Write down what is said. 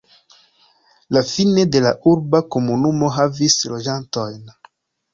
La Fine de la urba komunumo havis loĝantojn.